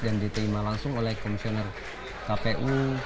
dan diterima langsung oleh komisioner kpu